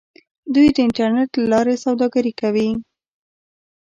دوی د انټرنیټ له لارې سوداګري کوي.